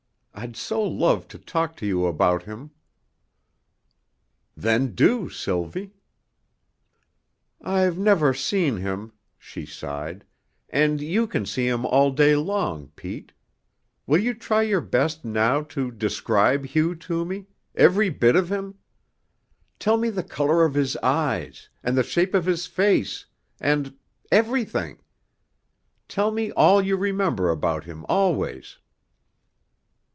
I'd so love to talk to you about him " "Then do, Sylvie." "I've never seen him," she sighed, "and you can see him all day long, Pete; will you try your best now to describe Hugh to me every bit of him? Tell me the color of his eyes and the shape of his face and everything. Tell me all you remember about him always."